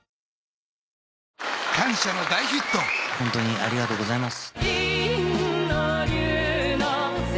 ホントにありがとうございます。